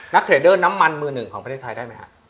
เทรเดอร์น้ำมันมือหนึ่งของประเทศไทยได้ไหมฮะ